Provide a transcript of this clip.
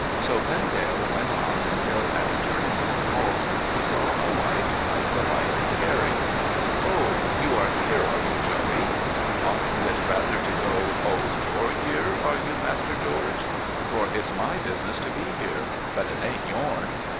So Vendale went on until, at a turning in the vaults, he saw a light like the light he carried. ' O ! You are here, are you, Joey ?'' Oughtn't it rather to go, " O ! K?//re here, are you, Master George ?" For it's my business to be here. But it ain't yourn.'